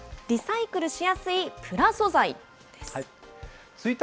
リサイクルしやすいプラ素材です。